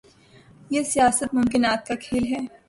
ہی سیاست ممکنات کا کھیل ہے۔